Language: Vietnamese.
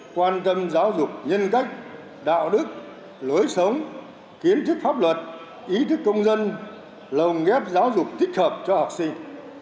quan tâm giáo dục nhân cách đạo đức lối sống kiến thức pháp luật ý thức công dân lồng ghép giáo dục thích hợp cho học sinh